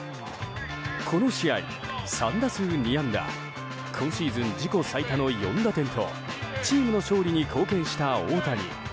この試合、３打数２安打今シーズン自己最多の４打点とチームの勝利に貢献した大谷。